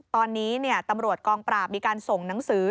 ตอนนี้ตำรวจกองปราบมีการส่งหนังสือ